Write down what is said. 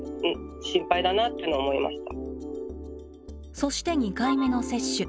そして２回目の接種。